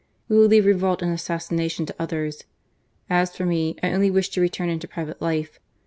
We will leave revolt and assassination to others. As for me, I only wish to return into private life.